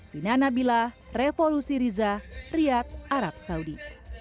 vina nabilah revolusi riza riyad arab saudi